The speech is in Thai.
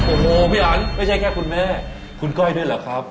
โอ้โหพี่อันไม่ใช่แค่คุณแม่คุณก้อยด้วยเหรอครับ